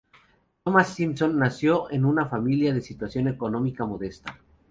Thomas Simpson nació en una familia de situación económica modesta.